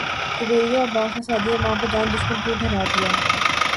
جویریہ عباسی نے سعدیہ امام کو جانی دشمن کیوں ٹھہرا دیا